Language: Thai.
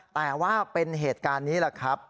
แต่ว่าเป็นเหตุการณ์นี้แหละครับ